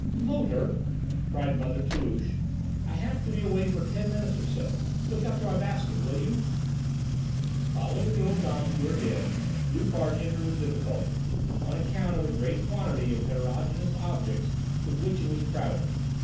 "Motor," cried Mother Toulouche, "I have to be away for ten minutes or so; look after my basket, will you?" Following the old dame to her den Loupart entered with difficulty, on account of the great quantity of heterogeneous objects with which it was crowded.